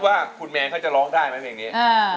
ว่าคุณแมนเขาจะร้องได้ไหมเพลงนี้